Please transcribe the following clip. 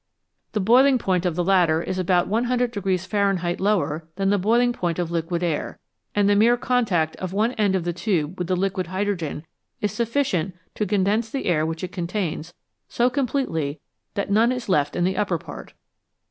The boiling point of the latter is about 100 Fahrenheit lower than the boiling point of liquid air, and the mere contact of one end of the tube with the liquid hydrogen is sufficient to condense the air which it contains so completely that none is left in the upper part.